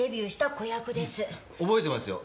覚えてますよ。